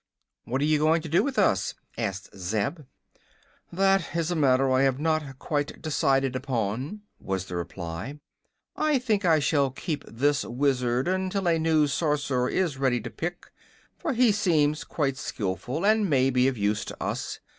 "What are you going to do with us?" asked Zeb. "That is a matter I have not quite decided upon," was the reply. "I think I shall keep this Wizard until a new Sorcerer is ready to pick, for he seems quite skillful and may be of use to us.